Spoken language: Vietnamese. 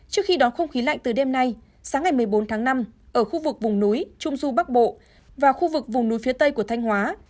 trước khi đón không khí lạnh từ đêm nay sáng ngày một mươi bốn tháng năm ở khu vực vùng núi trung du bắc bộ và khu vực vùng núi phía tây của thanh hóa